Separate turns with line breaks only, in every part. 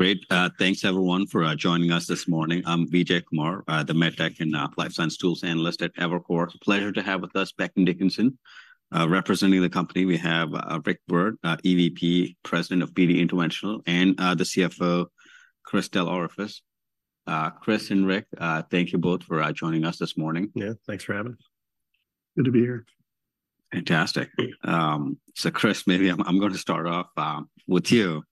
Great. Thanks everyone for joining us this morning. I'm Vijay Kumar, the MedTech and Life Science Tools Analyst at Evercore. Pleasure to have with us Becton Dickinson. Representing the company, we have Rick Byrd, EVP, President of BD Interventional, and the CFO, Chris DelOrefice. Chris and Rick, thank you both for joining us this morning. Yeah, thanks for having us.
Good to be here.
Fantastic. So Chris, maybe I'm going to start off with you.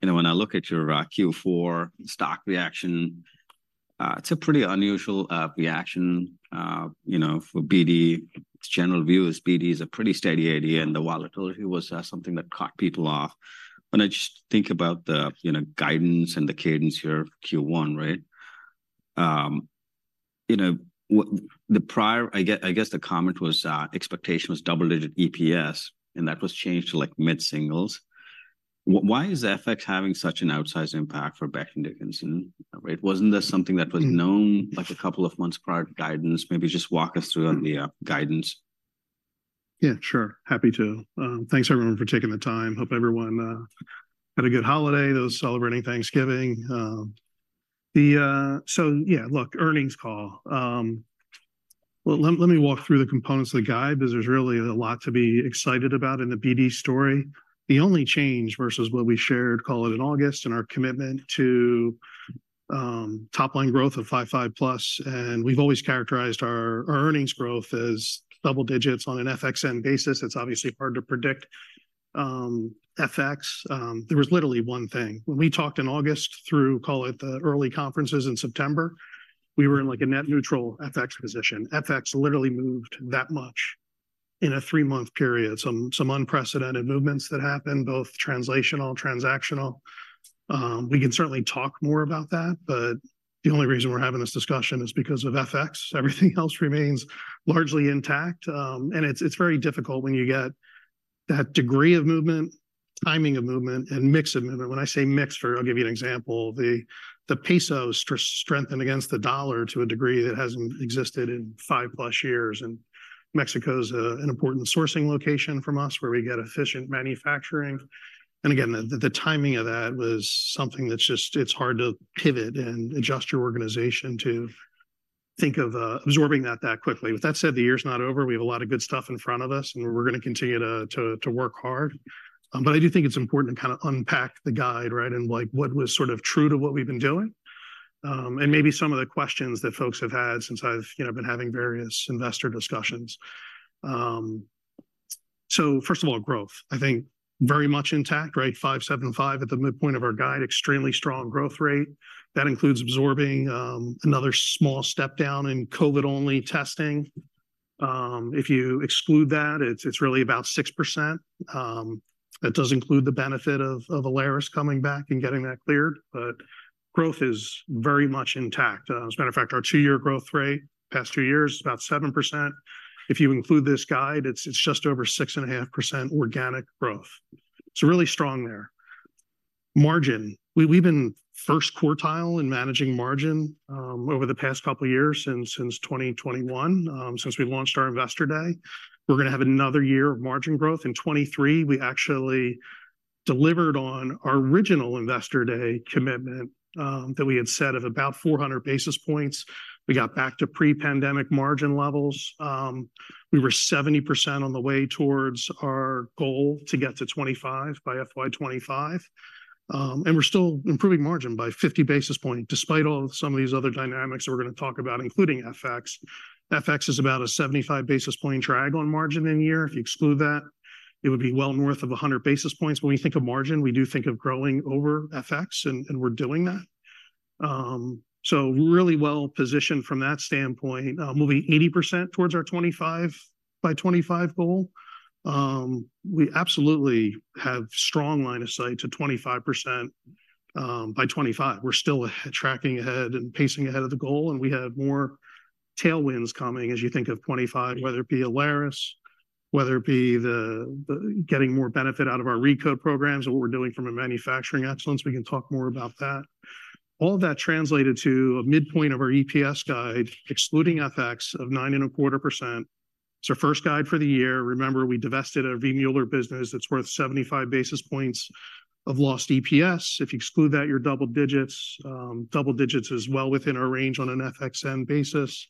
You know, when I look at your Q4 stock reaction, it's a pretty unusual reaction, you know, for BD. General view is BD is a pretty steady idea, and the volatility was something that caught people off. When I just think about the you know, guidance and the cadence here, Q1, right? You know, I guess the comment was expectation was double-digit EPS, and that was changed to, like, mid-singles. Why is FX having such an outsized impact for Becton Dickinson, right? Wasn't this something that was-
Mm-hmm...
known, like, a couple of months prior to guidance? Maybe just walk us through on the guidance.
Yeah, sure. Happy to. Thanks everyone for taking the time. Hope everyone had a good holiday, those celebrating Thanksgiving. So yeah, look, earnings call. Well, let me walk through the components of the guide, because there's really a lot to be excited about in the BD story. The only change versus what we shared, call it in August, and our commitment to top-line growth of five to 5+, and we've always characterized our earnings growth as double digits on an FX-N basis. It's obviously hard to predict. FX, there was literally one thing. When we talked in August through, call it, the early conferences in September, we were in, like, a net neutral FX position. FX literally moved that much in a three-month period. Some unprecedented movements that happened, both translational, transactional. We can certainly talk more about that, but the only reason we're having this discussion is because of FX. Everything else remains largely intact. And it's very difficult when you get that degree of movement, timing of movement, and mix of movement. When I say mix, for-- I'll give you an example, the Mexican peso strengthened against the US dollar to a degree that hasn't existed in 5+ years, and Mexico's an important sourcing location from us, where we get efficient manufacturing. And again, the timing of that was something that's just-- it's hard to pivot and adjust your organization to think of absorbing that quickly. With that said, the year is not over. We have a lot of good stuff in front of us, and we're going to continue to work hard. But I do think it's important to kind of unpack the guide, right, and like what was sort of true to what we've been doing. And maybe some of the questions that folks have had since I've you know been having various investor discussions. So first of all, growth, I think very much intact, right? 5%-7.5% at the midpoint of our guide, extremely strong growth rate. That includes absorbing another small step down in COVID-only testing. If you exclude that, it's really about 6%. That does include the benefit of Alaris coming back and getting that cleared, but growth is very much intact. As a matter of fact, our two-year growth rate, past two years, is about 7%. If you include this guide, it's just over 6.5% organic growth. So really strong there. Margin. We've been first quartile in managing margin over the past couple of years, since 2021, since we launched our Investor Day. We're going to have another year of margin growth. In 2023, we actually delivered on our original Investor Day commitment that we had set of about 400 basis points. We got back to pre-pandemic margin levels. We were 70% on the way towards our goal to get to 25% by FY 2025. And we're still improving margin by 50 basis points, despite all some of these other dynamics that we're going to talk about, including FX. FX is about a 75 basis point drag on margin in a year. If you exclude that, it would be well north of 100 basis points. When we think of margin, we do think of growing over FX, and we're doing that. So really well positioned from that standpoint, moving 80% towards our 25 by 25 goal. We absolutely have strong line of sight to 25% by 2025. We're still tracking ahead and pacing ahead of the goal, and we have more tailwinds coming as you think of 2025, whether it be Alaris, whether it be the getting more benefit out of our Recode programs or what we're doing from a manufacturing excellence. We can talk more about that. All that translated to a midpoint of our EPS guide, excluding FX, of 9.25%. It's our first guide for the year. Remember, we divested our V. Mueller business. That's worth 75 basis points of lost EPS. If you exclude that, you're double digits. Double digits is well within our range on an FXN basis.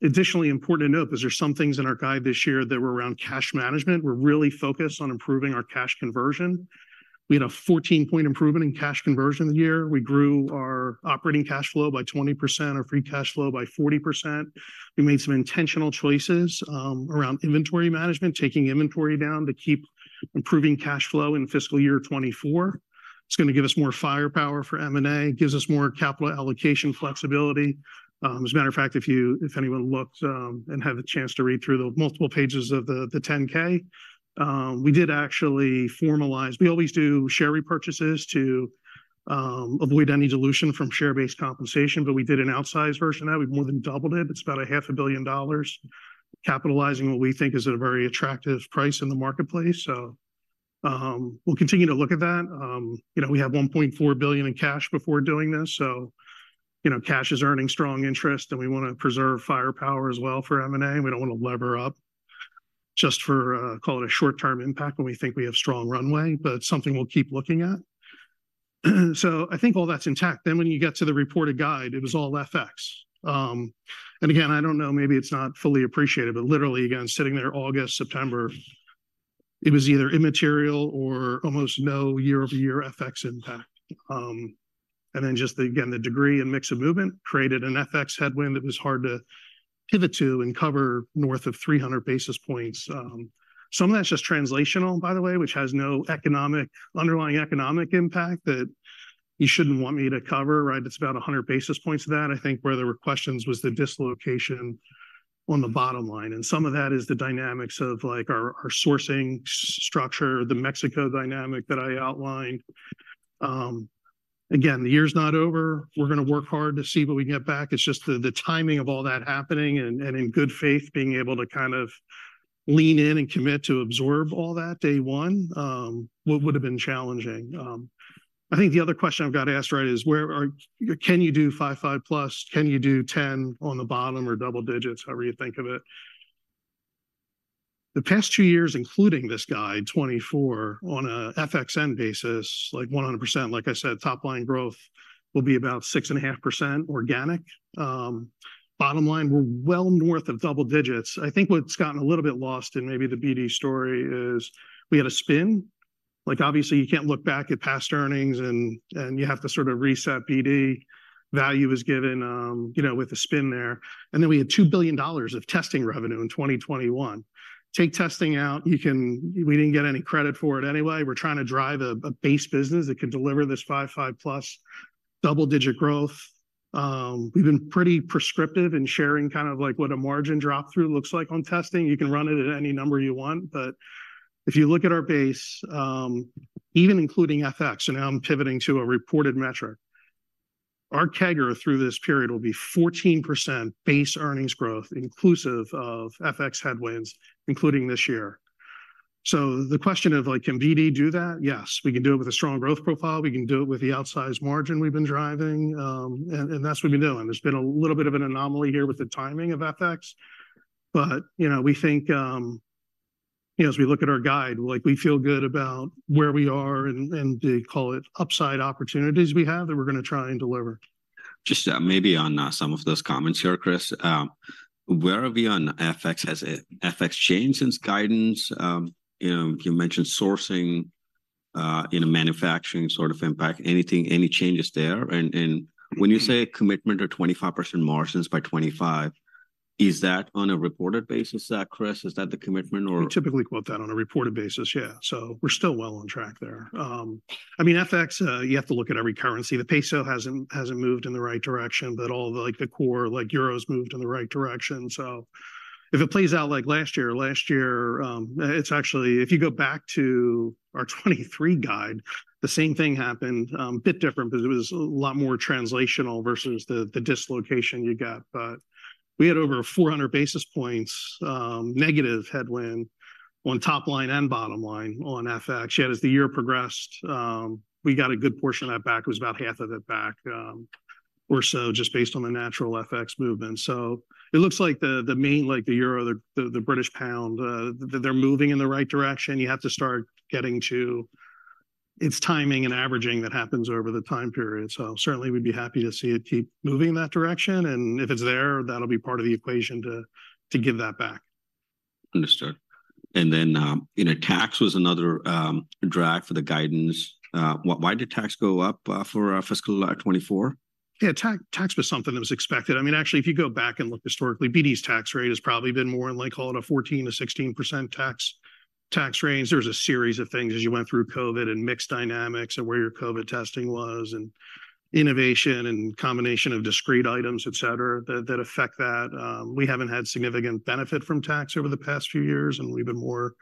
Additionally important to note, because there are some things in our guide this year that were around cash management. We're really focused on improving our cash conversion. We had a 14-point improvement in cash conversion this year. We grew our operating cash flow by 20%, our free cash flow by 40%. We made some intentional choices around inventory management, taking inventory down to keep improving cash flow in fiscal year 2024. It's going to give us more firepower for M&A, gives us more capital allocation flexibility. As a matter of fact, if anyone looked and had the chance to read through the multiple pages of the 10-K, we did actually formalize. We always do share repurchases to avoid any dilution from share-based compensation, but we did an outsized version of that. We've more than doubled it. It's about $500 million, capitalizing what we think is a very attractive price in the marketplace. So, we'll continue to look at that. You know, we have $1.4 billion in cash before doing this, so, you know, cash is earning strong interest, and we want to preserve firepower as well for M&A. We don't want to lever up just for call it a short-term impact when we think we have strong runway, but something we'll keep looking at. So I think all that's intact. Then when you get to the reported guide, it was all FX. And again, I don't know, maybe it's not fully appreciated, but literally again, sitting there August, September, it was either immaterial or almost no year-over-year FX impact. And then just the, again, the degree and mix of movement created an FX headwind that was hard to pivot to and cover north of 300 basis points. Some of that's just translational, by the way, which has no underlying economic impact that you shouldn't want me to cover, right? It's about 100 basis points of that. I think where there were questions was the dislocation on the bottom line, and some of that is the dynamics of, like, our sourcing structure, the Mexico dynamic that I outlined. Again, the year's not over. We're gonna work hard to see what we can get back. It's just the timing of all that happening and in good faith, being able to kind of lean in and commit to absorb all that day one, would have been challenging. I think the other question I've got asked, right, is where are—can you do 5+? Can you do 10 on the bottom or double digits, however you think of it? The past two years, including this guide, 2024, on a FXN basis, like 100%, like I said, top-line growth will be about 6.5% organic. Bottom line, we're well north of double digits. I think what's gotten a little bit lost in maybe the BD story is we had a spin. Like, obviously, you can't look back at past earnings and, and you have to sort of reset BD. Value was given, you know, with a spin there. And then we had $2 billion of testing revenue in 2021. Take testing out, you can... We didn't get any credit for it anyway. We're trying to drive a, a base business that can deliver this five, 5+ double-digit growth. We've been pretty prescriptive in sharing kind of like what a margin drop-through looks like on testing. You can run it at any number you want, but if you look at our base, even including FX, so now I'm pivoting to a reported metric, our CAGR through this period will be 14% base earnings growth, inclusive of FX headwinds, including this year. So the question of like, can BD do that? Yes, we can do it with a strong growth profile, we can do it with the outsized margin we've been driving, and that's what we're doing. There's been a little bit of an anomaly here with the timing of FX, but, you know, we think, you know, as we look at our guide, like we feel good about where we are and the, call it, upside opportunities we have that we're gonna try and deliver.
Just, maybe on, some of those comments here, Chris. Where are we on FX? Has FX changed since guidance? You know, you mentioned sourcing, in a manufacturing sort of impact. Anything, any changes there? And when you say a commitment to 25% margins by 2025, is that on a reported basis, Chris? Is that the commitment or-
We typically quote that on a reported basis. Yeah, so we're still well on track there. I mean, FX, you have to look at every currency. The peso hasn't moved in the right direction, but all the, like, the core, like euros, moved in the right direction. So if it plays out like last year, last year, it's actually, if you go back to our 2023 guide, the same thing happened. A bit different because it was a lot more translational versus the dislocation you got. But we had over 400 basis points, negative headwind on top line and bottom line on FX. Yet as the year progressed, we got a good portion of that back. It was about half of it back, or so just based on the natural FX movement. So it looks like the main, like the euro, the British pound, they're moving in the right direction. You have to start getting to its timing and averaging that happens over the time period. So certainly, we'd be happy to see it keep moving in that direction, and if it's there, that'll be part of the equation to give that back.
Understood. And then, you know, tax was another drag for the guidance. Why did tax go up for fiscal 2024?
Yeah, tax, tax was something that was expected. I mean, actually, if you go back and look historically, BD's tax rate has probably been more in like call it a 14%-16% tax, tax range. There's a series of things as you went through COVID and mixed dynamics of where your COVID testing was, and innovation and combination of discrete items, et cetera, that, that affect that. We haven't had significant benefit from tax over the past few years, and we've been more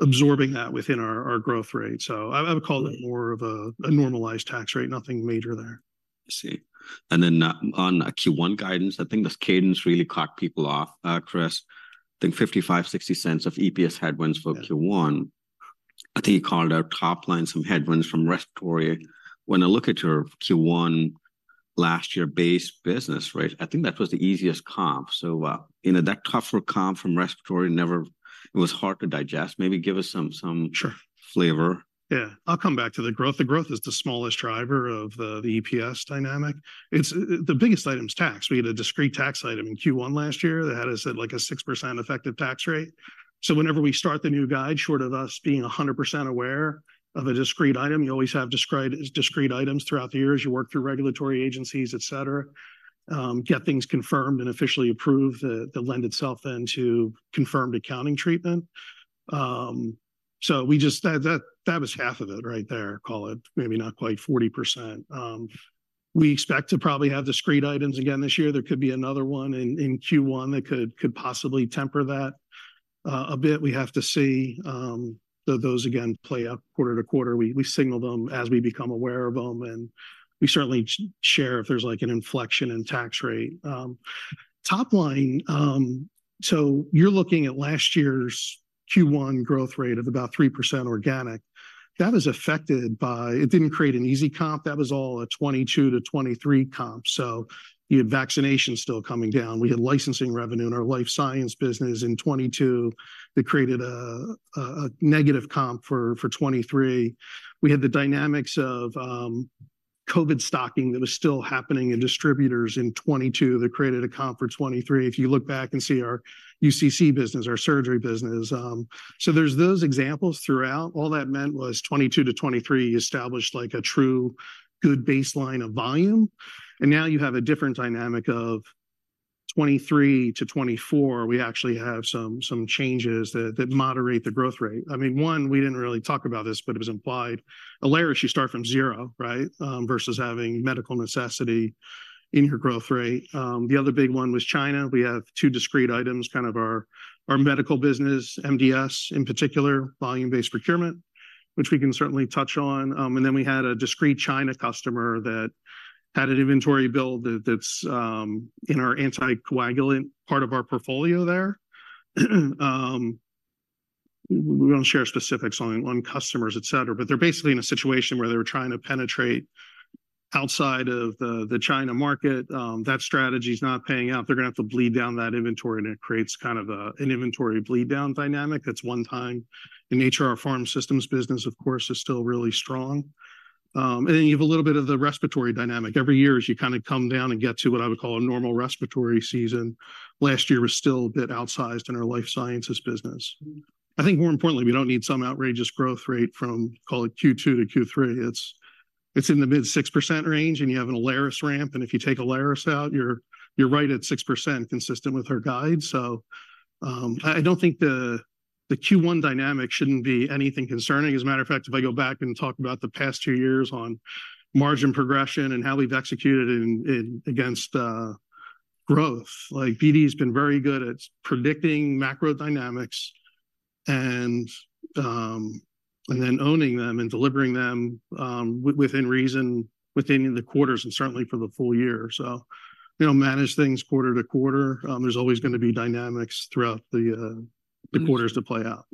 absorbing that within our, our growth rate. So I, I would call it more of a, a normalized tax rate, nothing major there.
I see. And then, on our Q1 guidance, I think this cadence really caught people off, Chris. I think $0.55-$0.60 of EPS headwinds for Q1.
Yeah.
I think you called out top line, some headwinds from respiratory. When I look at your Q1 last year base business, right, I think that was the easiest comp. So, you know, that tougher comp from respiratory never—it was hard to digest. Maybe give us some—
Sure.
-flavor.
Yeah. I'll come back to the growth. The growth is the smallest driver of the EPS dynamic. It's the biggest item is tax. We had a discrete tax item in Q1 last year that had us at, like, a 6% effective tax rate. So whenever we start the new guide, short of us being 100% aware of a discrete item, you always have discrete items throughout the years. You work through regulatory agencies, et cetera, get things confirmed and officially approved, that lend itself then to confirmed accounting treatment. So we just... That was half of it right there, call it maybe not quite 40%. We expect to probably have discrete items again this year. There could be another one in Q1 that could possibly temper that a bit. We have to see, though, those again play out quarter to quarter. We signal them as we become aware of them, and we certainly share if there's, like, an inflection in tax rate. Top line, so you're looking at last year's Q1 growth rate of about 3% organic. That was affected by. It didn't create an easy comp. That was all a 2022 to 2023 comp, so you had vaccinations still coming down. We had licensing revenue in our life science business in 2022 that created a negative comp for 2023. We had the dynamics of COVID stocking that was still happening in distributors in 2022 that created a comp for 2023. If you look back and see our UCC business, our surgery business, so there's those examples throughout. All that meant was 2022 to 2023 established, like, a true good baseline of volume, and now you have a different dynamic of 2023 to 2024. We actually have some changes that moderate the growth rate. I mean, one, we didn't really talk about this, but it was implied. Alaris, you start from zero, right? Versus having medical necessity in your growth rate. The other big one was China. We have two discrete items, kind of our medical business, MDS, in particular, volume-based procurement, which we can certainly touch on. And then we had a discrete China customer that had an inventory build that's in our anticoagulant part of our portfolio there. We don't share specifics on customers, et cetera, but they're basically in a situation where they were trying to penetrate outside of the China market. That strategy is not paying out. They're going to have to bleed down that inventory, and it creates kind of a, an inventory bleed-down dynamic that's one-time. In our Pharm Systems business, of course, is still really strong. And then you have a little bit of the respiratory dynamic. Every year, as you kind of come down and get to what I would call a normal respiratory season, last year was still a bit outsized in our life sciences business. I think more importantly, we don't need some outrageous growth rate from, call it Q2 to Q3. It's in the mid-6% range, and you have an Alaris ramp, and if you take Alaris out, you're right at 6%, consistent with our guide. So, I don't think the Q1 dynamic shouldn't be anything concerning. As a matter of fact, if I go back and talk about the past two years on margin progression and how we've executed in against growth, like, BD's been very good at predicting macro dynamics and, and then owning them and delivering them, within reason, within the quarters, and certainly for the full year. So, you know, manage things quarter to quarter. There's always going to be dynamics throughout the quarters to play out.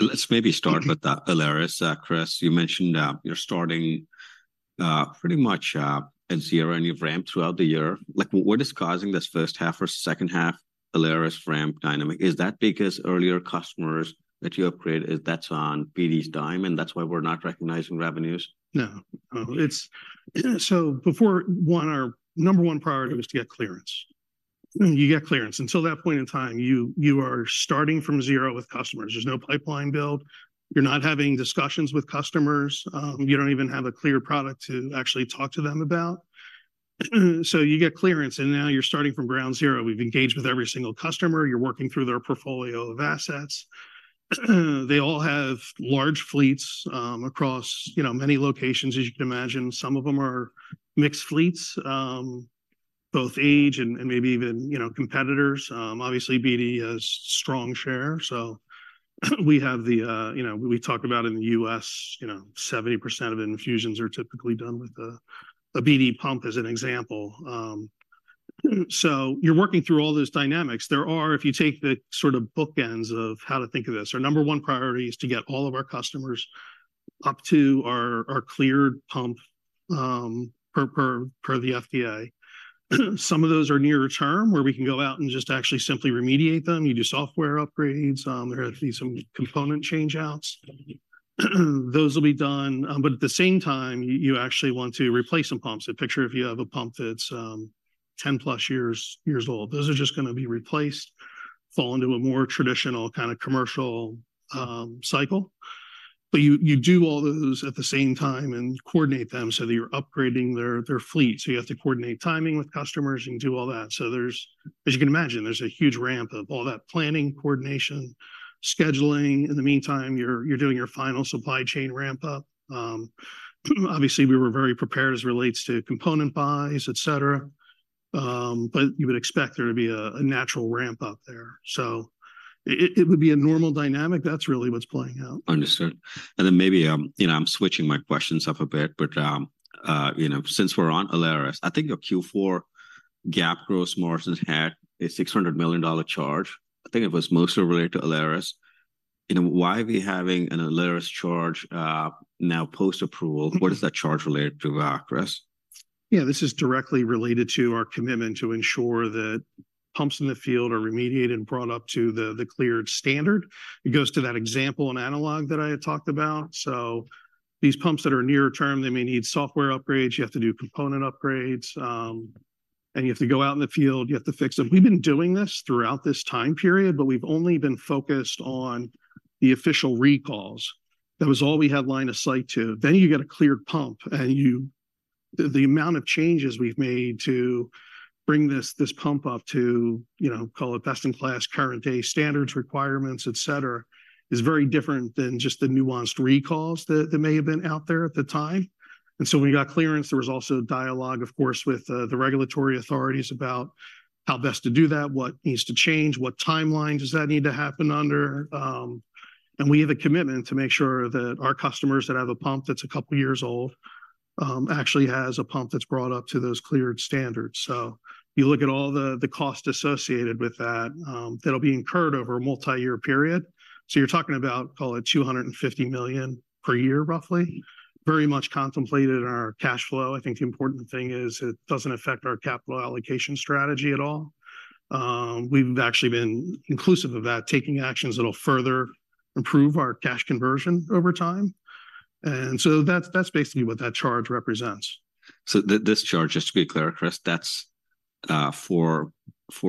Let's maybe start with that, Alaris. Chris, you mentioned you're starting pretty much at zero, and you've ramped throughout the year. Like, what is causing this first half or second half Alaris ramp dynamic? Is that because earlier customers that you upgraded, that's on BD's dime, and that's why we're not recognizing revenues?
No. No, it's so before, our number one priority was to get clearance. You get clearance, until that point in time, you are starting from zero with customers. There's no pipeline build. You're not having discussions with customers. You don't even have a clear product to actually talk to them about. So you get clearance, and now you're starting from ground zero. We've engaged with every single customer. You're working through their portfolio of assets. They all have large fleets, across, you know, many locations, as you can imagine. Some of them are mixed fleets, both age and maybe even, you know, competitors. Obviously, BD has strong share, so we have the. You know, we talk about in the U.S., you know, 70% of infusions are typically done with a BD pump, as an example. So you're working through all those dynamics. There are, if you take the sort of bookends of how to think of this, our number one priority is to get all of our customers up to our cleared pump per the FDA. Some of those are near term, where we can go out and just actually simply remediate them. You do software upgrades. There are some component changeouts. Those will be done, but at the same time, you actually want to replace some pumps. So picture if you have a pump that's 10+ years old, those are just going to be replaced, fall into a more traditional kind of commercial cycle. But you do all those at the same time and coordinate them so that you're upgrading their fleet. So you have to coordinate timing with customers and do all that. So there's, as you can imagine, a huge ramp of all that planning, coordination, scheduling. In the meantime, you're doing your final supply chain ramp up. Obviously, we were very prepared as it relates to component buys, et cetera, but you would expect there to be a natural ramp up there. So it would be a normal dynamic. That's really what's playing out.
Understood. And then maybe, you know, I'm switching my questions up a bit, but, you know, since we're on Alaris, I think your Q4 GAAP gross margins had a $600 million charge. I think it was mostly related to Alaris. You know, why are we having an Alaris charge, now post-approval? What is that charge related to, Chris?
Yeah, this is directly related to our commitment to ensure that pumps in the field are remediated and brought up to the cleared standard. It goes to that example and analog that I had talked about. So these pumps that are near term, they may need software upgrades, you have to do component upgrades, and you have to go out in the field, you have to fix them. We've been doing this throughout this time period, but we've only been focused on the official recalls. That was all we had line of sight to. Then you get a cleared pump, and you, the amount of changes we've made to bring this pump up to, you know, call it best-in-class, current day standards, requirements, et cetera, is very different than just the nuanced recalls that may have been out there at the time. And so when we got clearance, there was also dialogue, of course, with the regulatory authorities about how best to do that, what needs to change, what timeline does that need to happen under. And we have a commitment to make sure that our customers that have a pump that's a couple years old, actually has a pump that's brought up to those cleared standards. So you look at all the cost associated with that, that'll be incurred over a multi-year period. So you're talking about, call it, $250 million per year, roughly. Very much contemplated in our cash flow. I think the important thing is it doesn't affect our capital allocation strategy at all. We've actually been inclusive of that, taking actions that'll further improve our cash conversion over time. And so that's basically what that charge represents.
So this charge, just to be clear, Chris, that's for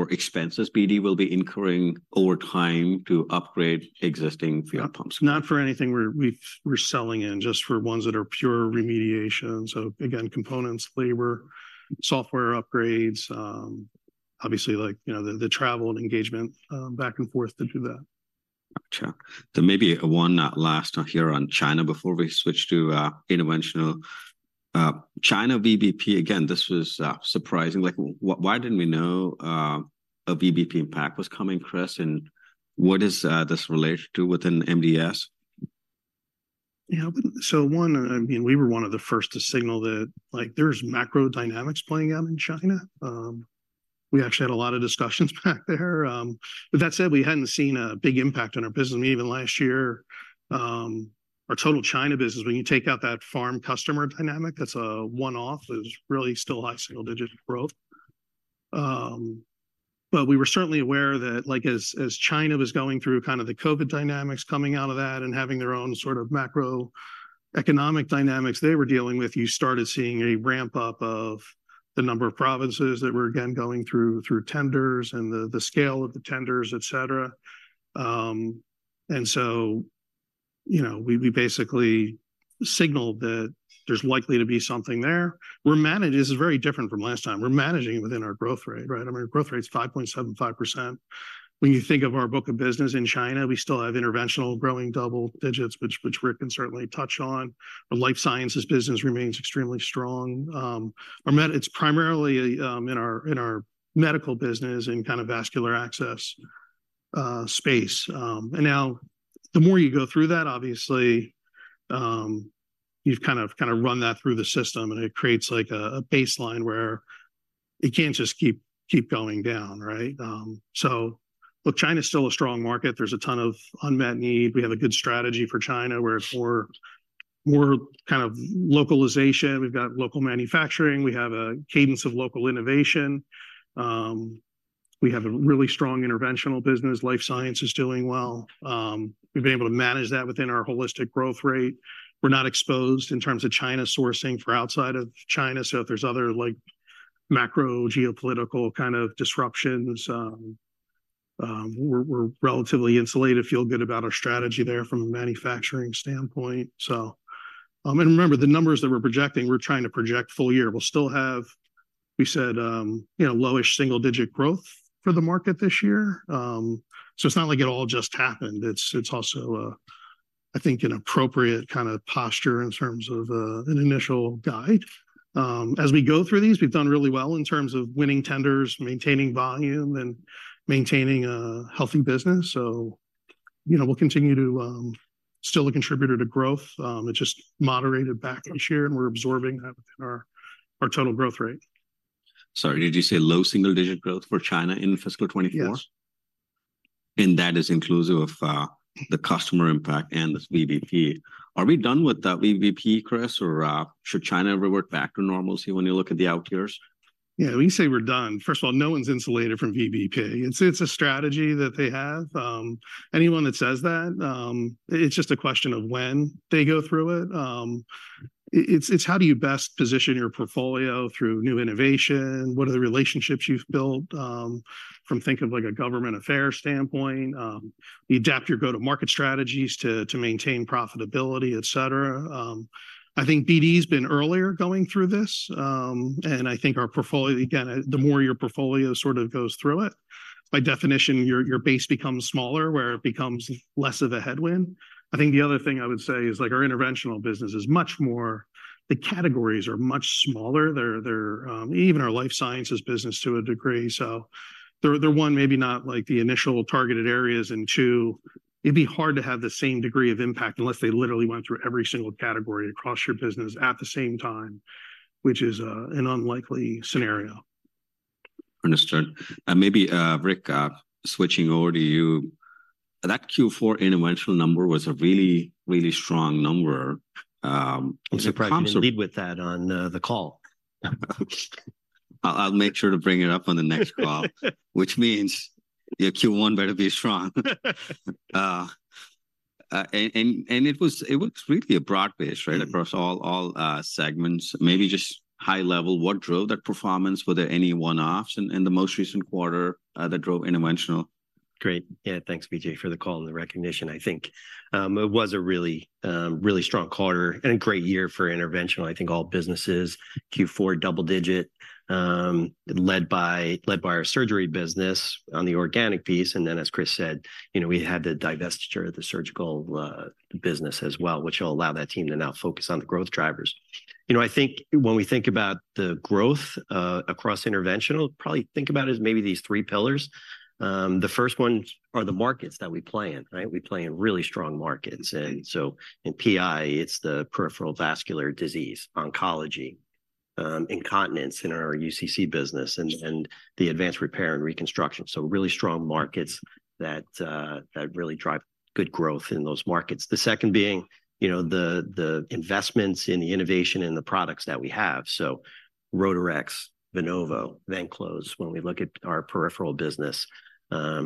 expenses BD will be incurring over time to upgrade existing field pumps?
Not for anything we're selling in, just for ones that are pure remediation. So again, components, labor, software upgrades, obviously, like, you know, the travel and engagement back and forth to do that.
Gotcha. There may be one last here on China before we switch to interventional. China VBP, again, this was surprising. Like, why didn't we know a VBP impact was coming, Chris, and what does this relate to within MDS?
Yeah. So one, I mean, we were one of the first to signal that, like, there's macro dynamics playing out in China. We actually had a lot of discussions back there. But that said, we hadn't seen a big impact on our business. Even last year, our total China business, when you take out that Pharm customer dynamic, that's a one-off, it was really still high single-digit growth. But we were certainly aware that, like, as, as China was going through kind of the COVID dynamics, coming out of that and having their own sort of macroeconomic dynamics they were dealing with, you started seeing a ramp-up of the number of provinces that were again going through, through tenders and the, the scale of the tenders, et cetera. And so, you know, we, we basically signaled that there's likely to be something there. This is very different from last time. We're managing it within our growth rate, right? I mean, our growth rate's 5.75%. When you think of our book of business in China, we still have Interventional growing double digits, which Rick can certainly touch on. Our Life Sciences business remains extremely strong. It's primarily in our medical business and kind of vascular access space. And now the more you go through that, obviously, you've kind of run that through the system, and it creates like a baseline where it can't just keep going down, right? So look, China's still a strong market. There's a ton of unmet need. We have a good strategy for China, where for more kind of localization, we've got local manufacturing. We have a cadence of local innovation. We have a really strong interventional business. Life Sciences is doing well. We've been able to manage that within our holistic growth rate. We're not exposed in terms of China sourcing for outside of China, so if there's other, like, macro geopolitical kind of disruptions, we're relatively insulated, feel good about our strategy there from a manufacturing standpoint. So, and remember, the numbers that we're projecting, we're trying to project full year. We'll still have, we said, you know, lowish single-digit growth for the market this year. So it's not like it all just happened. It's also a, I think, an appropriate kind of posture in terms of an initial guide. As we go through these, we've done really well in terms of winning tenders, maintaining volume, and maintaining a healthy business. You know, we'll continue to still a contributor to growth. It just moderated back this year, and we're absorbing that within our total growth rate.
Sorry, did you say low single-digit growth for China in fiscal 2024?
Yes.
That is inclusive of the customer impact and this VBP. Are we done with that VBP, Chris, or should China ever work back to normalcy when you look at the out years?
Yeah, when you say we're done, first of all, no one's insulated from VBP. It's a strategy that they have. Anyone that says that it's just a question of when they go through it. It's how do you best position your portfolio through new innovation? What are the relationships you've built, from think of, like, a government affairs standpoint? You adapt your go-to-market strategies to maintain profitability, et cetera. I think BD's been earlier going through this, and I think our portfolio, again, the more your portfolio sort of goes through it, by definition, your base becomes smaller, where it becomes less of a headwind. I think the other thing I would say is, like, our interventional business is much more, the categories are much smaller. They're even our life sciences business to a degree, so they're one, maybe not like the initial targeted areas, and two, it'd be hard to have the same degree of impact unless they literally went through every single category across your business at the same time, which is an unlikely scenario.
Understood. And maybe, Rick, switching over to you, that Q4 Interventional number was a really, really strong number -
I'm surprised you lead with that on the call.
I'll make sure to bring it up on the next call. Which means your Q1 better be strong. And it was really a broad base, right, across all segments. Maybe just high level, what drove that performance? Were there any one-offs in the most recent quarter that drove interventional?
Great. Yeah, thanks, Vijay, for the call and the recognition. I think it was a really, really strong quarter and a great year for Interventional. I think all businesses, Q4 double digit, led by, led by our surgery business on the organic piece. And then, as Chris said, you know, we had the divestiture of the surgical business as well, which will allow that team to now focus on the growth drivers. You know, I think when we think about the growth across interventional, probably think about it as maybe these three pillars. The first ones are the markets that we play in, right? We play in really strong markets. And so in PI, it's the peripheral vascular disease, oncology, incontinence in our UCC business, and the advanced repair and reconstruction. So really strong markets that really drive good growth in those markets. The second being, you know, the investments in the innovation and the products that we have. So Rotarex, Venovo, Venclose, when we look at our peripheral business, our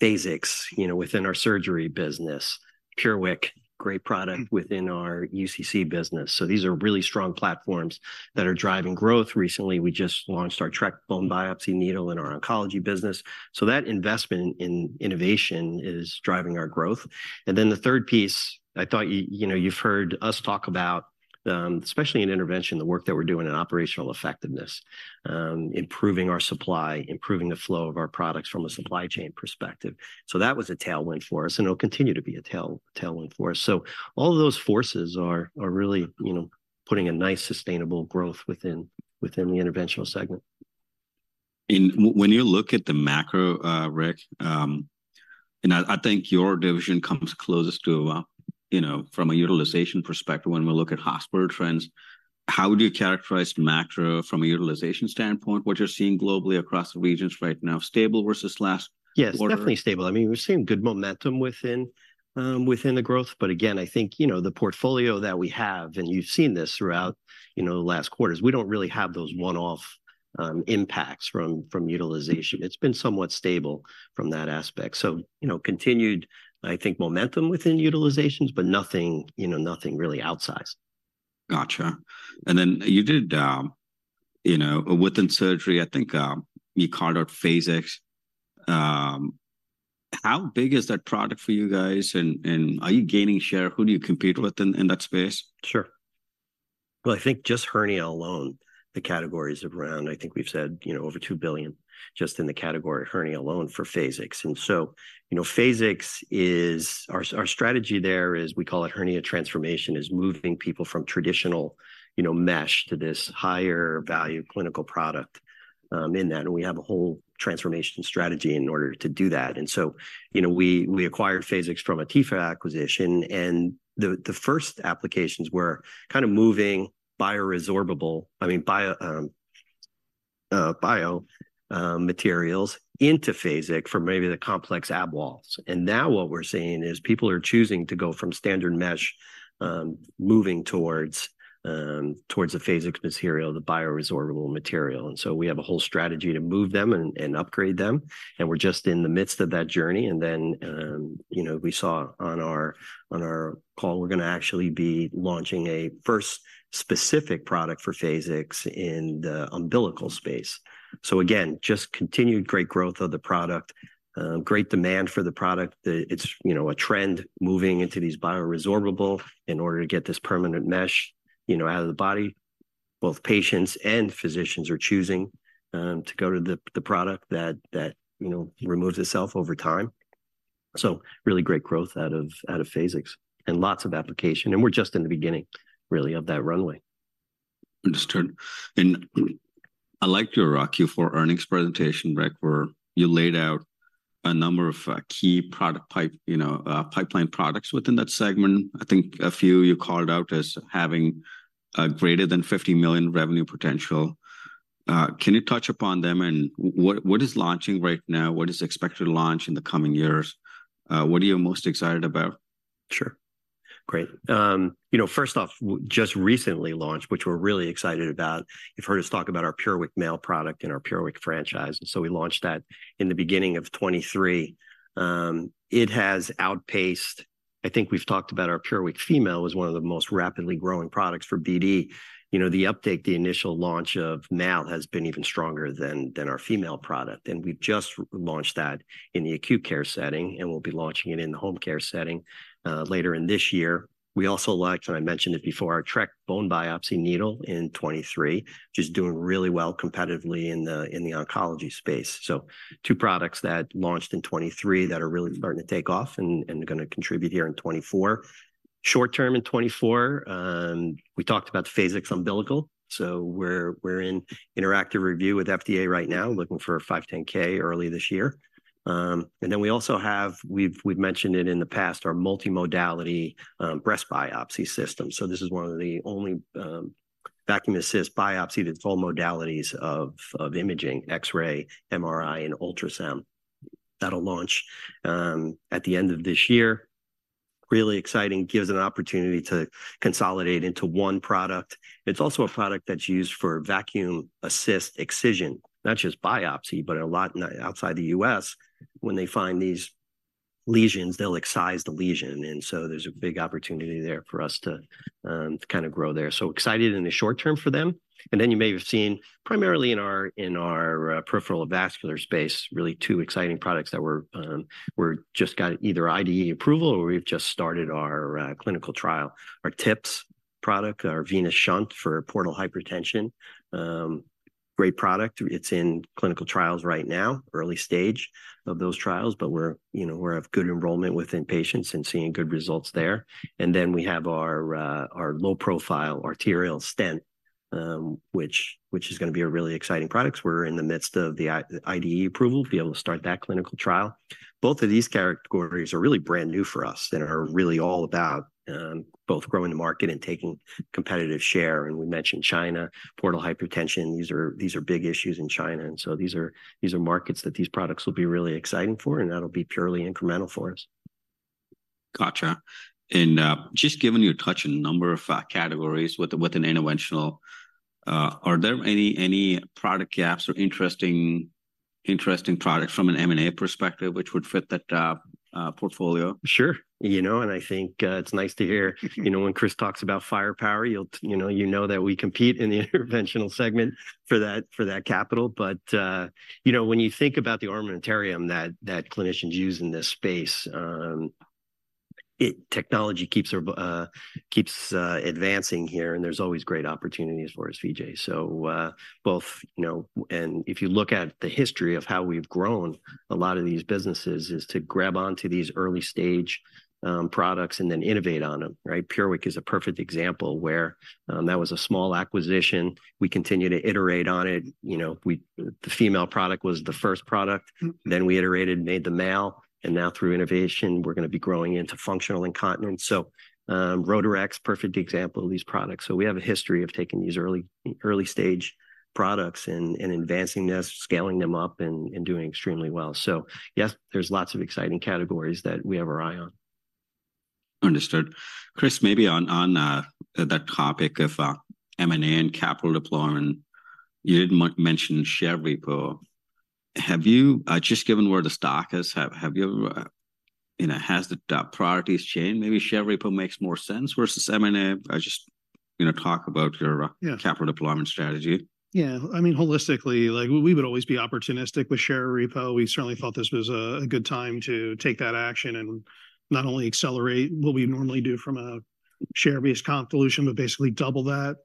Phasix, you know, within our surgery business. PureWick, great product within our UCC business. So these are really strong platforms that are driving growth. Recently, we just launched our Trek Bone biopsy needle in our oncology business. So that investment in innovation is driving our growth. And then the third piece, I thought, you know, you've heard us talk about, especially in intervention, the work that we're doing in operational effectiveness. Improving our supply, improving the flow of our products from a supply chain perspective. So that was a tailwind for us, and it'll continue to be a tailwind for us. So all of those forces are really, you know, putting a nice, sustainable growth within the Interventional segment.
When you look at the macro, Rick, and I, I think your division comes closest to, you know, from a utilization perspective when we look at hospital trends, how would you characterize the macro from a utilization standpoint, what you're seeing globally across the regions right now, stable versus last quarter?
Yes, definitely stable. I mean, we've seen good momentum within the growth, but again, I think, you know, the portfolio that we have, and you've seen this throughout, you know, the last quarters, we don't really have those one-off impacts from utilization. It's been somewhat stable from that aspect. So, you know, continued, I think, momentum within utilizations, but nothing, you know, nothing really outsized.
Gotcha. And then you did, you know, within surgery, I think, you called out Phasix. How big is that product for you guys, and, and are you gaining share? Who do you compete with in, in that space?
Sure. Well, I think just hernia alone, the category is around, I think we've said, you know, over $2 billion, just in the category of hernia alone for Phasix. And so, you know, Phasix is... Our strategy there is, we call it hernia transformation, is moving people from traditional, you know, mesh to this higher value clinical product, in that. And so, you know, we acquired Phasix from a Tepha acquisition, and the first applications were kind of moving bioresorbable—I mean, bio, biomaterials into Phasix for maybe the complex abdominal walls. And now what we're seeing is people are choosing to go from standard mesh, moving towards, towards the Phasix material, the bioresorbable material. And so we have a whole strategy to move them and upgrade them, and we're just in the midst of that journey. And then, you know, we saw on our call, we're going to actually be launching a first specific product for Phasix in the umbilical space. So again, just continued great growth of the product, great demand for the product. It's, you know, a trend moving into these bioresorbable in order to get this permanent mesh, you know, out of the body. Both patients and physicians are choosing to go to the product that, you know, removes itself over time. So really great growth out of Phasix, and lots of application, and we're just in the beginning, really, of that runway.
Understood. I liked your Q4 earnings presentation, Rick, where you laid out a number of key product pipeline products within that segment. I think a few you called out as having a greater than $50 million revenue potential. Can you touch upon them, and what is launching right now? What is expected to launch in the coming years? What are you most excited about?
Sure. Great. You know, first off, just recently launched, which we're really excited about. You've heard us talk about our PureWick male product and our PureWick franchise, and so we launched that in the beginning of 2023. It has outpaced. I think we've talked about our PureWick female as one of the most rapidly growing products for BD. You know, the update, the initial launch of male has been even stronger than our female product, and we've just launched that in the acute care setting, and we'll be launching it in the home care setting, later in this year. We also launched, and I mentioned it before, our Trek Bone biopsy needle in 2023, which is doing really well competitively in the oncology space. So two products that launched in 2023 that are really starting to take off and are going to contribute here in 2024. Short term in 2024, we talked about the Phasix umbilical, so we're in interactive review with FDA right now, looking for a 510(k) early this year. And then we also have, we've mentioned it in the past, our multimodality breast biopsy system. So this is one of the only vacuum-assist biopsy that's all modalities of imaging, X-ray, MRI, and ultrasound. That'll launch at the end of this year. Really exciting, gives an opportunity to consolidate into one product. It's also a product that's used for vacuum-assist excision, not just biopsy, but a lot outside the US, when they find these lesions, they'll excise the lesion, and so there's a big opportunity there for us to kind of grow there. So excited in the short term for them. And then you may have seen, primarily in our peripheral vascular space, really two exciting products that were just got either IDE approval or we've just started our clinical trial. Our TIPS product, our Venous Shunt for portal hypertension, great product. It's in clinical trials right now, early stage of those trials, but we're, you know, we're of good enrollment within patients and seeing good results there. And then we have our low-profile arterial stent, which is going to be a really exciting product. We're in the midst of the IDE approval to be able to start that clinical trial. Both of these categories are really brand new for us and are really all about both growing the market and taking competitive share. And we mentioned China, portal hypertension, these are, these are big issues in China, and so these are, these are markets that these products will be really exciting for, and that'll be purely incremental for us....
Gotcha. Just given you a touch on a number of categories within interventional, are there any product gaps or interesting products from an M&A perspective which would fit that portfolio?
Sure. You know, and I think it's nice to hear you know, when Chris talks about firepower, you'll you know, you know that we compete in the interventional segment for that, for that capital. But you know, when you think about the armamentarium that that clinicians use in this space, technology keeps advancing here, and there's always great opportunities for us, Vijay. So both, you know... And if you look at the history of how we've grown, a lot of these businesses is to grab onto these early stage products and then innovate on them, right? PureWick is a perfect example where that was a small acquisition. We continued to iterate on it. You know, we the female product was the first product.
Mm.
Then we iterated and made the male, and now through innovation, we're going to be growing into functional incontinence. So, Rotarex, perfect example of these products. So we have a history of taking these early, early stage products and, and advancing them, scaling them up, and, and doing extremely well. So yes, there's lots of exciting categories that we have our eye on.
Understood. Chris, maybe on that topic of M&A and capital deployment, you did mention share repo. Have you just given where the stock is, have you ever, you know, has the priorities changed? Maybe share repo makes more sense versus M&A. Or just, you know, talk about your-
Yeah...
capital deployment strategy.
Yeah. I mean, holistically, like, we would always be opportunistic with share repo. We certainly thought this was a good time to take that action and not only accelerate what we normally do from a share-based comp dilution, but basically double that.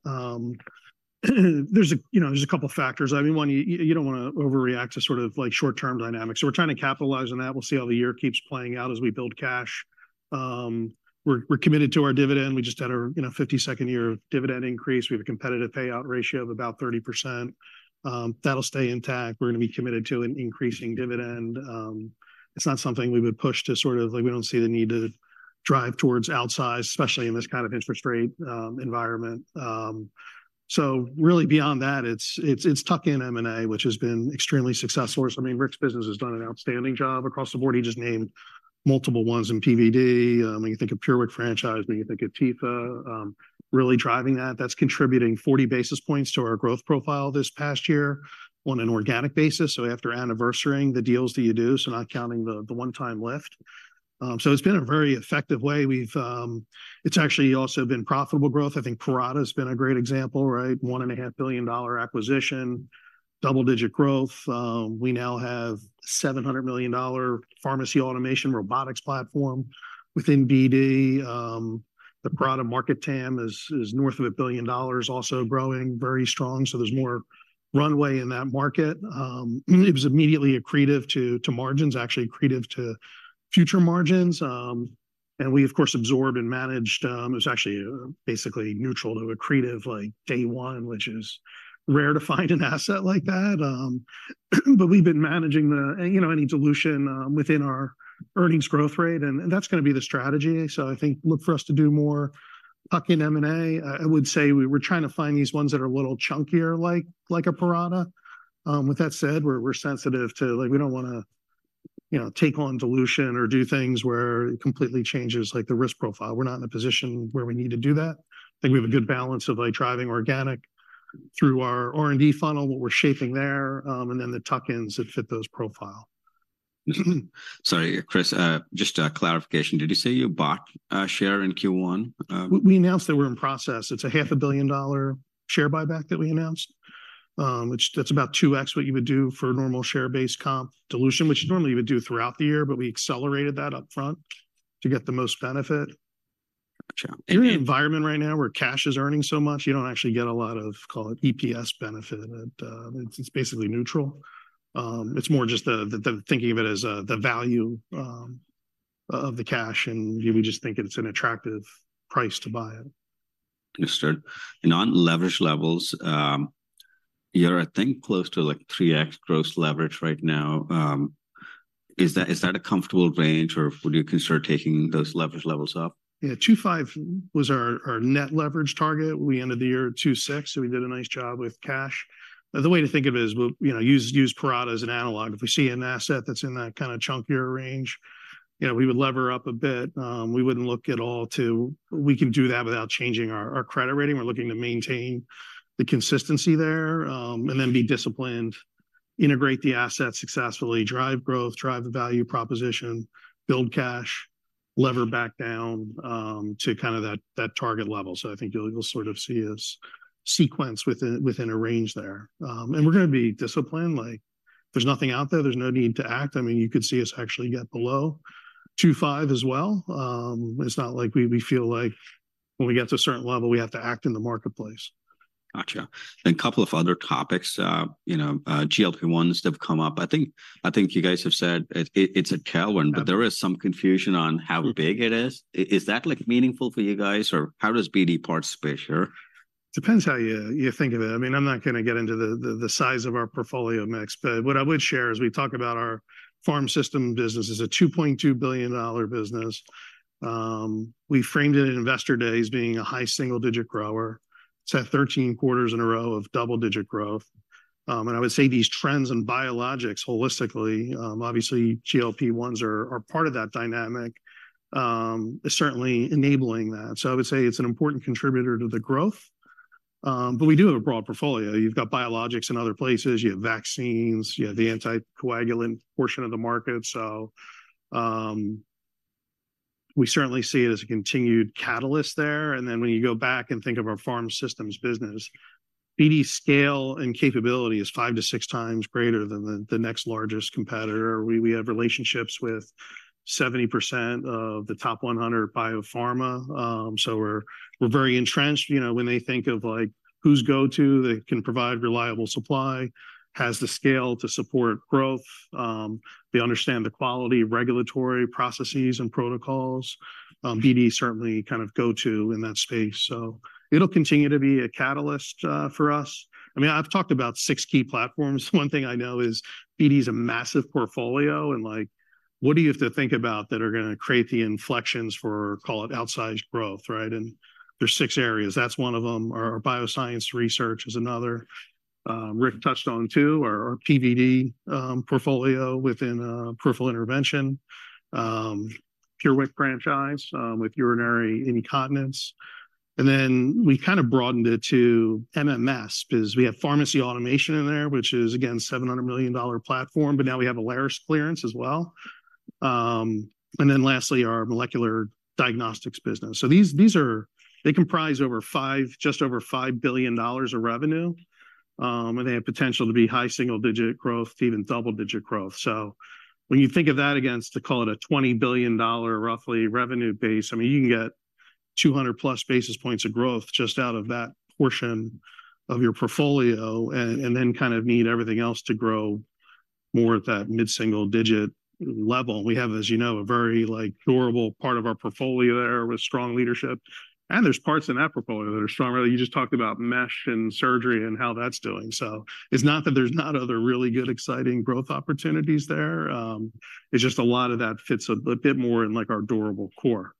There's a, you know, there's a couple factors. I mean, one, you don't want to overreact to sort of, like, short-term dynamics, so we're trying to capitalize on that. We'll see how the year keeps playing out as we build cash. We're committed to our dividend. We just had our, you know, 52nd year of dividend increase. We have a competitive payout ratio of about 30%. That'll stay intact. We're going to be committed to an increasing dividend. It's not something we would push to sort of, like, we don't see the need to drive towards outsize, especially in this kind of interest rate environment. So really beyond that, it's tuck-in M&A, which has been extremely successful. I mean, Rick's business has done an outstanding job across the board. He just named multiple ones in PVD. When you think of PureWick franchise, when you think of Tepha, really driving that, that's contributing 40 basis points to our growth profile this past year on an organic basis, so after anniversarying the deals that you do, so not counting the one-time lift. So it's been a very effective way. It's actually also been profitable growth. I think Parata has been a great example, right? $1.5 billion acquisition, double-digit growth. We now have a $700 million pharmacy automation robotics platform within BD. The Parata market TAM is north of $1 billion, also growing very strong, so there's more runway in that market. It was immediately accretive to margins, actually accretive to future margins. And we, of course, absorbed and managed. It was actually basically neutral to accretive, like, day one, which is rare to find an asset like that. But we've been managing and, you know, any dilution within our earnings growth rate, and that's going to be the strategy. So I think look for us to do more tuck-in M&A. I would say we were trying to find these ones that are a little chunkier, like a Parata. With that said, we're sensitive to—like, we don't want to, you know, take on dilution or do things where it completely changes, like, the risk profile. We're not in a position where we need to do that. I think we have a good balance of, like, driving organic through our R&D funnel, what we're shaping there, and then the tuck-ins that fit those profile.
Sorry, Chris, just a clarification. Did you say you bought a share in Q1?
We announced that we're in process. It's a $500 million share buyback that we announced, which that's about 2x what you would do for a normal share-based comp dilution, which normally you would do throughout the year, but we accelerated that upfront to get the most benefit.
Gotcha.
In the environment right now, where cash is earning so much, you don't actually get a lot of, call it, EPS benefit. It's basically neutral. It's more just the thinking of it as the value of the cash, and we just think it's an attractive price to buy it.
Understood. On leverage levels, you're, I think, close to, like, 3x gross leverage right now. Is that, is that a comfortable range, or would you consider taking those leverage levels up?
Yeah, 2.5 was our, our net leverage target. We ended the year at 2.6, so we did a nice job with cash. The way to think of it is we'll, you know, use, use Parata as an analog. If we see an asset that's in that kind of chunkier range, you know, we would lever up a bit. We wouldn't look at all to... We can do that without changing our, our credit rating. We're looking to maintain the consistency there, and then be disciplined, integrate the asset successfully, drive growth, drive the value proposition, build cash, lever back down, to kind of that, that target level. So I think you'll, you'll sort of see us sequence within, within a range there. And we're going to be disciplined. Like, there's nothing out there. There's no need to act. I mean, you could see us actually get below 2.5 as well. It's not like we, we feel like when we get to a certain level, we have to act in the marketplace.
Gotcha. And a couple of other topics. You know, GLP-1s have come up. I think you guys have said it, it's a tailwind-
Yeah...
but there is some confusion on how big it is. Is that, like, meaningful for you guys, or how does BD participate here?
Depends how you think of it. I mean, I'm not going to get into the size of our portfolio mix, but what I would share is, we talk about our Pharm Systems business is a $2.2 billion business. We framed it in Investor Day as being a high single-digit grower. It's had 13 quarters in a row of double-digit growth. And I would say these trends in biologics holistically, obviously GLP-1s are part of that dynamic, certainly enabling that. So I would say it's an important contributor to the growth. But we do have a broad portfolio. You've got biologics in other places, you have vaccines, you have the anticoagulant portion of the market. So, we certainly see it as a continued catalyst there. And then when you go back and think of our pharma systems business, BD's scale and capability is five to 6x greater than the next largest competitor. We have relationships with 70% of the top 100 biopharma. So we're very entrenched. You know, when they think of, like, whose go-to they can provide reliable supply, has the scale to support growth, they understand the quality of regulatory processes and protocols, BD is certainly kind of go-to in that space. So it'll continue to be a catalyst for us. I mean, I've talked about six key platforms. One thing I know is BD's a massive portfolio, and like, what do you have to think about that are gonna create the inflections for, call it, outsized growth, right? And there's six areas, that's one of them. Our bioscience research is another. Rick touched on, too, our PVD portfolio within peripheral intervention, PureWick franchise with urinary incontinence. Then we kind of broadened it to MMS, because we have pharmacy automation in there, which is, again, $700 million platform, but now we have Alaris clearance as well. And then lastly, our molecular diagnostics business. So these, these are—they comprise over five, just over $5 billion of revenue, and they have potential to be high single-digit growth to even double-digit growth. So when you think of that against, to call it, a $20 billion roughly revenue base, I mean, you can get 200+ basis points of growth just out of that portion of your portfolio, and, and then kind of need everything else to grow more at that mid-single digit level. We have, as you know, a very, like, durable part of our portfolio there with strong leadership, and there's parts in that portfolio that are strong. You just talked about mesh and surgery and how that's doing. So it's not that there's not other really good exciting growth opportunities there. It's just a lot of that fits a bit more in, like, our durable core.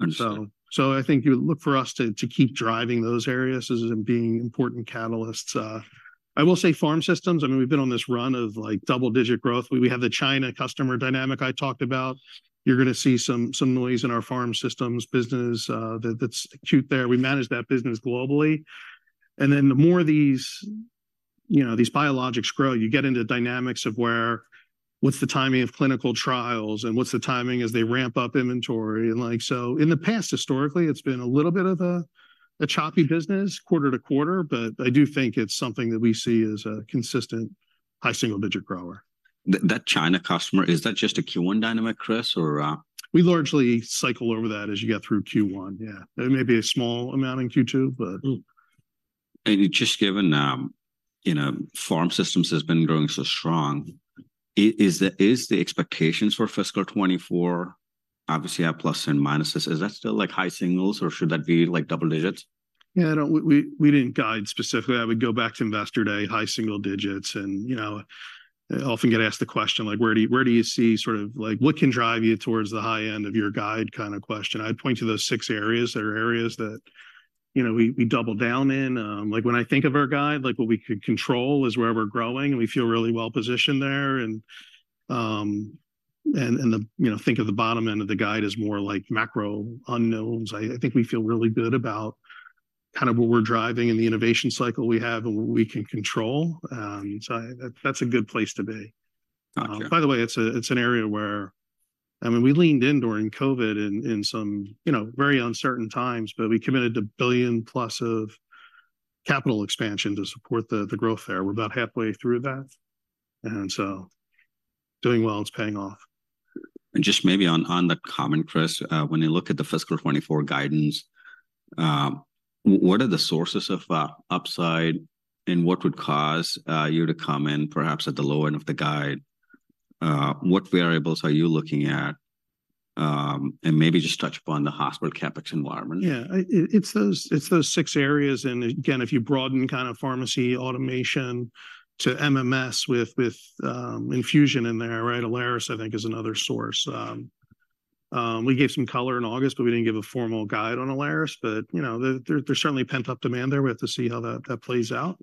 Understood.
So I think you look for us to keep driving those areas as being important catalysts. I will say pharm systems. I mean, we've been on this run of, like, double-digit growth. We have the China customer dynamic I talked about. You're gonna see some noise in our pharm systems business, that's acute there. We manage that business globally. And then the more these, you know, these biologics grow, you get into the dynamics of where... What's the timing of clinical trials? And what's the timing as they ramp up inventory? And like, so in the past, historically, it's been a little bit of a choppy business, quarter to quarter, but I do think it's something that we see as a consistent high single-digit grower.
That China customer, is that just a Q1 dynamic, Chris, or?
We largely cycle over that as you get through Q1. Yeah, it may be a small amount in Q2, but-
Mm-hmm. And just given, you know, Parata Systems has been growing so strong, is the expectations for fiscal 2024 obviously have plus and minuses. Is that still like high singles, or should that be like double digits?
Yeah, I don't—we didn't guide specifically. I would go back to Investor Day, high single digits. And, you know, I often get asked the question, like: "Where do you—Where do you see sort of like—What can drive you towards the high end of your guide?" kind of question. I'd point to those six areas that are areas that, you know, we double down in. Like, when I think of our guide, like, what we could control is where we're growing, and we feel really well positioned there. And, the... You know, think of the bottom end of the guide as more like macro unknowns. I think we feel really good about kind of where we're driving and the innovation cycle we have and what we can control. So I—that's a good place to be.
Got you.
By the way, it's an area where, I mean, we leaned in during COVID in some, you know, very uncertain times, but we committed $1 billion+ of capital expansion to support the growth there. We're about halfway through that, and so doing well, it's paying off.
And just maybe on that comment, Chris, when you look at the fiscal 2024 guidance, what are the sources of upside, and what would cause you to come in perhaps at the low end of the guide? What variables are you looking at? And maybe just touch upon the hospital CapEx environment.
Yeah. It's those six areas, and again, if you broaden kind of pharmacy automation to MMS with infusion in there, right? Alaris, I think, is another source. We gave some color in August, but we didn't give a formal guide on Alaris, but, you know, there's certainly pent-up demand there. We have to see how that plays out.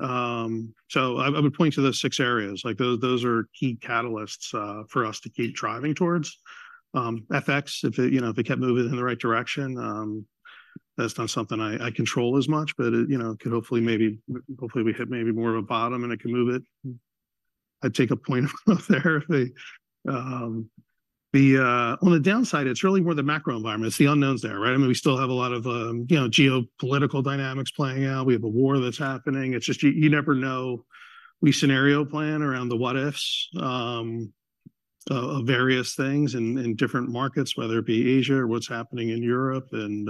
So I would point to those six areas, like, those are key catalysts for us to keep driving towards. FX, if, you know, if they kept moving in the right direction, that's not something I control as much, but it, you know, could hopefully, maybe—hopefully, we hit maybe more of a bottom, and it can move it. I'd take a point there if they... The, on the downside, it's really more the macro environment. It's the unknowns there, right? I mean, we still have a lot of, you know, geopolitical dynamics playing out. We have a war that's happening. It's just you never know. We scenario plan around the what-ifs of various things in different markets, whether it be Asia or what's happening in Europe. And,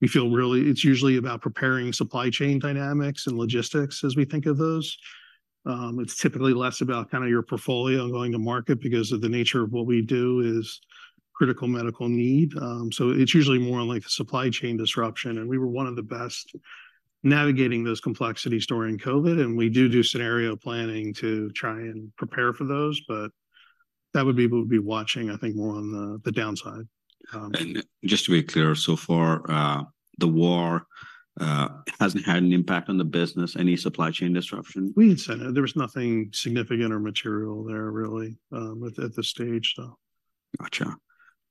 we feel really it's usually about preparing supply chain dynamics and logistics as we think of those. It's typically less about kind of your portfolio going to market because of the nature of what we do is critical medical need. So it's usually more on, like, supply chain disruption, and we were one of the best. navigating those complexities during COVID, and we do do scenario planning to try and prepare for those, but that would be, we'll be watching, I think, more on the, the downside,
Just to be clear, so far, the war hasn't had an impact on the business, any supply chain disruption?
We had said there was nothing significant or material there, really, with at this stage, though.
Gotcha.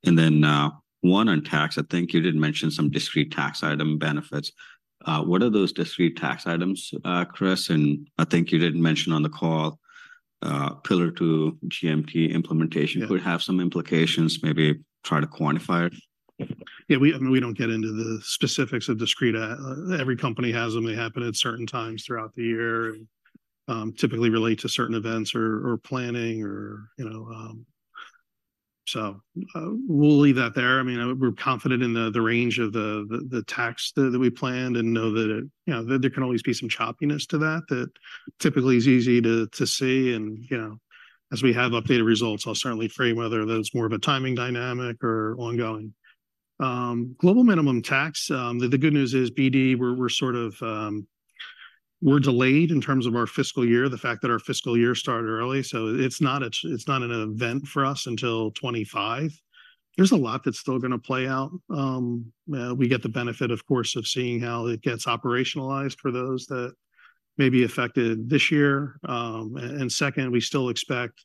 And then, one on tax. I think you did mention some discrete tax item benefits. What are those discrete tax items, Chris? And I think you did mention on the call, Pillar Two GMT implementation-
Yeah
Could have some implications, maybe try to quantify it?
Yeah, we, I mean, we don't get into the specifics of discrete. Every company has them. They happen at certain times throughout the year and typically relate to certain events or planning or, you know, so we'll leave that there. I mean, we're confident in the range of the tax that we planned and know that it, you know, that there can always be some choppiness to that that typically is easy to see. And, you know, as we have updated results, I'll certainly frame whether that's more of a timing dynamic or ongoing. Global Minimum Tax, the good news is, BD, we're sort of delayed in terms of our fiscal year, the fact that our fiscal year started early, so it's not an event for us until 2025. There's a lot that's still going to play out. We get the benefit, of course, of seeing how it gets operationalized for those that may be affected this year. And second, we still expect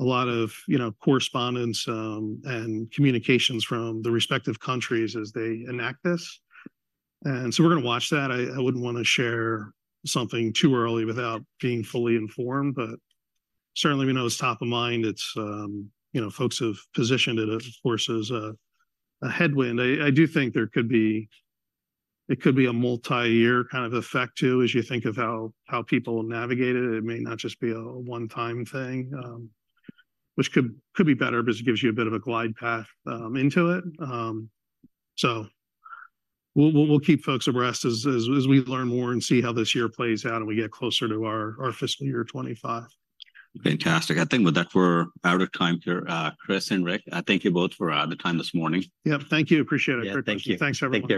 a lot of, you know, correspondence and communications from the respective countries as they enact this, and so we're going to watch that. I wouldn't want to share something too early without being fully informed, but certainly we know it's top of mind. It's, you know, folks have positioned it, of course, as a headwind. I do think there could be- it could be a multi-year kind of effect, too, as you think of how people navigate it. It may not just be a one-time thing, which could be better because it gives you a bit of a glide path into it. So we'll keep folks abreast as we learn more and see how this year plays out and we get closer to our fiscal year 2025.
Fantastic. I think with that, we're out of time here. Chris and Rick, I thank you both for the time this morning.
Yep, thank you. Appreciate it.
Yeah, thank you.
Thanks, everyone.
Take care.